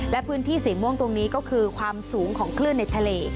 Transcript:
และพื้นที่สีม่วงตรงนี้ก็คือความสูงของคลื่นในทะเล